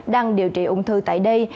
đang điều trị ung thư tại đây